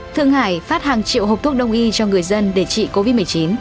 thương hải phát hàng triệu hộp thuốc đông y cho người dân để trị covid một mươi chín